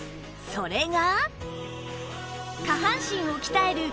それが